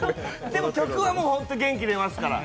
でも、曲は本当に元気出ますから。